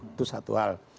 itu satu hal